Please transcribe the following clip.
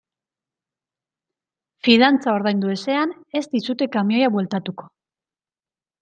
Fidantza ordaindu ezean ez dizute kamioia bueltatuko.